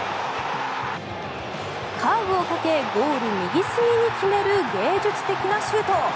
カーブをかけゴール右隅に決める芸術的なシュート。